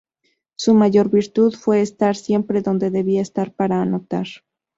Su mayor virtud fue estar siempre donde debía estar para anotar.